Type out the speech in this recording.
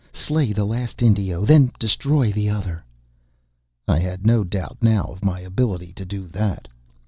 Slay the last Indio, then destroy the Other." I had no doubt now of my ability to do that.